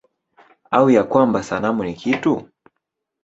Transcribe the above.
Au ya kwamba sanamu ni kitu?